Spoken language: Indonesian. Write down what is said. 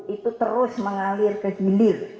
itu terus mengalir ke hilir